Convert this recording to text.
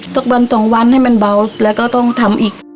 ต้องบัน๒วันให้มันเบาแล้วก็ต้องทำอีก